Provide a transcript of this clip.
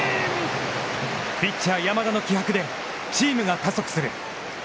ピッチャー山田の気迫でチームが加速する。